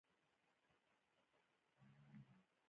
انسان همېشه د بدلون په حال کې دی.